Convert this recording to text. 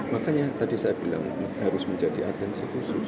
makanya tadi saya bilang ini harus menjadi atensi khusus